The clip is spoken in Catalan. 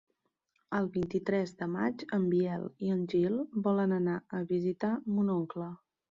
El vint-i-tres de maig en Biel i en Gil volen anar a visitar mon oncle.